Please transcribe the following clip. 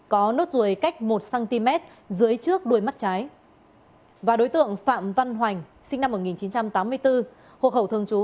có nốt ruồi cách một cm dưới trước đuôi mắt trái và đối tượng phạm văn hoành sinh năm một nghìn chín trăm tám mươi bốn hộ khẩu thường trú